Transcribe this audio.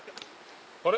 あれ？